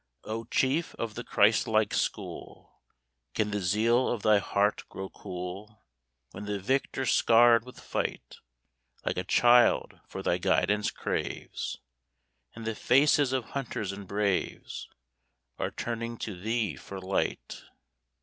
O chief of the Christ like school! Can the zeal of thy heart grow cool When the victor scarred with fight Like a child for thy guidance craves, And the faces of hunters and braves Are turning to thee for light?